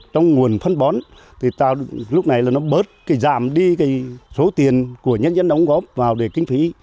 trong nguồn phân bón thì lúc này nó bớt giảm đi số tiền của nhân dân đóng góp vào để kinh phí